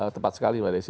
tepat sekali mbak desi